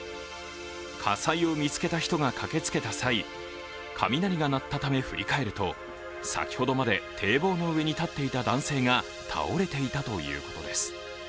火災を見つけた人が駆けつけた際雷が鳴ったため振り返ると先ほどまで堤防の上に立っていた男性が倒れていたということです。